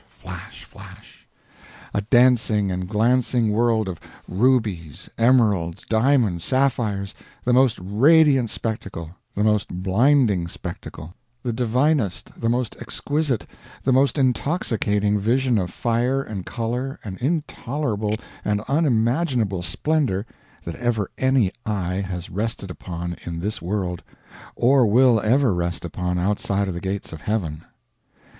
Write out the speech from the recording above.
flash! flash! a dancing and glancing world of rubies, emeralds, diamonds, sapphires, the most radiant spectacle, the most blinding spectacle, the divinest, the most exquisite, the most intoxicating vision of fire and color and intolerable and unimaginable splendor that ever any eye has rested upon in this world, or will ever rest upon outside of the gates of heaven.